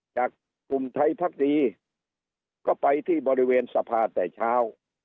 จากกลุ่มไทยพักดีก็ไปที่บริเวณสภาแต่เช้า